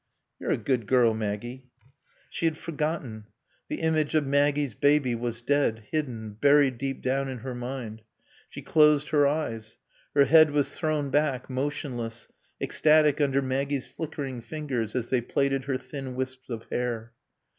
"You're a good girl, Maggie." She had forgotten. The image of Maggie's baby was dead, hidden, buried deep down in her mind. She closed her eyes. Her head was thrown back, motionless, ecstatic under Maggie's flickering fingers as they plaited her thin wisps of hair.